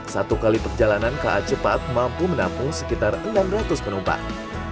satu kali perjalanan ka cepat mampu menampung sekitar enam ratus penumpang